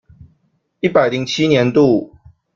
一百零七年度